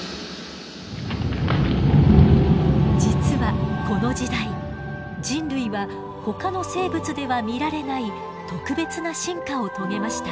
実はこの時代人類はほかの生物では見られない特別な進化を遂げました。